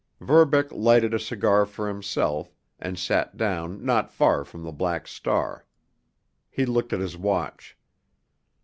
Verbeck lighted a cigar for himself, and sat down not far from the Black Star. He looked at his watch.